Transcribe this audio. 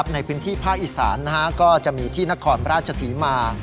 ในพื้นที่ภาคอีสานก็จะมีที่นครราชศรีมา